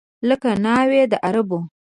لکه ناوې د عربو